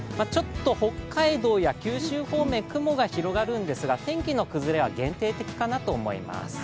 北海道や九州方面、雲が広がるんですが、天気の崩れは限定的かなと思います。